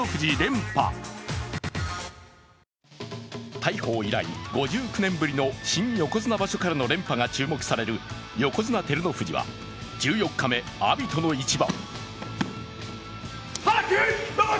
大鵬以来５４年ぶりの連覇が注目される横綱・照ノ富士は１４日目、阿炎との一番。